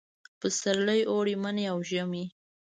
پسرلي، اوړي، مني او ژمي